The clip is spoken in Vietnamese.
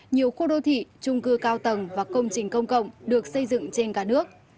nhiều khu đô thị trung cư cao tầng và công trình công cộng được xây dựng trên cả nước